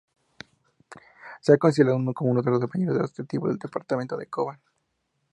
Se han consolidado como uno de los mayores atractivos del departamento de Cobán.